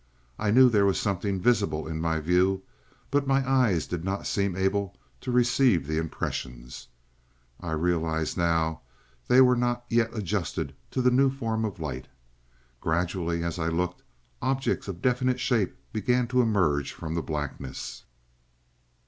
I knew there was something visible in my view, but my eyes did not seem able to receive the impressions. I realize now they were not yet adjusted to the new form of light. Gradually, as I looked, objects of definite shape began to emerge from the blackness.